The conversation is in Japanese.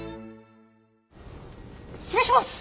失礼します！